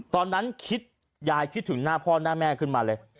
ตอนนั้นคิดยายคิดถึงหน้าพ่อหน้าแม่ขึ้นมาเลย